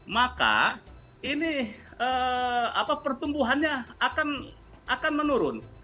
maka pertumbuhannya akan menurun